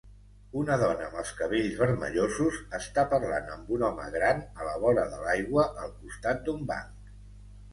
Una dona amb els cabells vermellosos està parlant amb un home gran a la vora de l'aigua, al costat d'un banc.